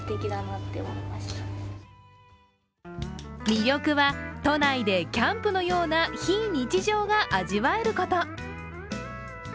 魅力は都内でキャンプのような非日常が味わえること。